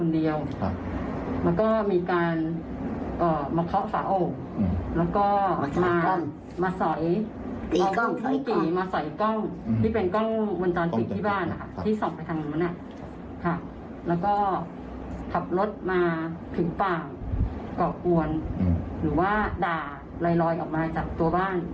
โดนมีปัญหาแลรอยออกมาจากตัวบ้าน